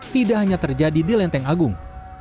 tidak hanya terjadi di lenteng agung